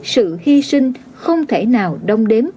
sự hy sinh không thể nào đông đếm